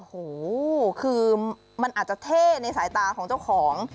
โอ้โหคือมันอาจจะเท่ในสายตาของเจ้าของ